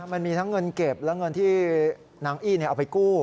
มันมีทั้งเงินเก็บและเงินที่นางอี้เอาไปกู้